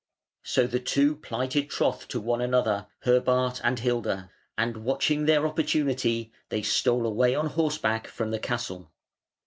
So the two plighted troth to one another, Herbart and Hilda: and watching their opportunity they stole away on horseback from the castle.